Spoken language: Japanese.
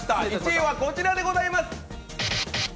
１位はこちらでございます。